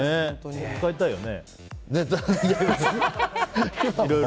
使いたいよね。